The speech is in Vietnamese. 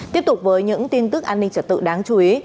tiếp tục với những tin tức an ninh trật tự đáng chú ý